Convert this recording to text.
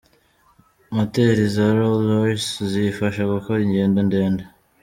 Moteri za Rolls Royce ziyifasha gukora ingendo ndende.